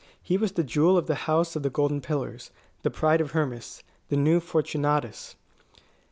He was the jewel of the House of the Golden Pillars; the pride of Hermas, the new Fortunatus.